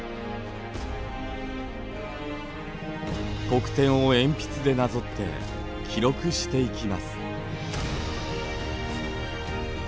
黒点を鉛筆でなぞって記録していきます。